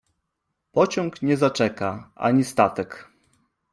Pociąg nie zaczeka, ani statek.